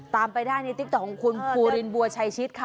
ไปได้ในติ๊กต๊อกของคุณภูรินบัวชัยชิดค่ะ